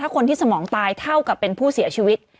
คนที่สมองตายเท่ากับเป็นผู้เสียชีวิต